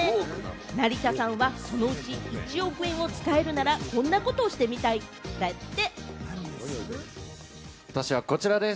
成田さんはそのうち１億円を使えるなら、こんなことをしてみたいんだって。